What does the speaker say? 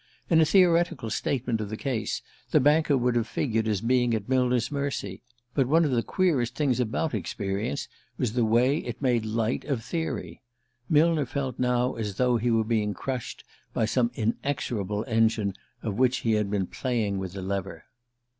In a theoretical statement of the case the banker would have figured as being at Millner's mercy; but one of the queerest things about experience was the way it made light of theory. Millner felt now as though he were being crushed by some inexorable engine of which he had been playing with the lever.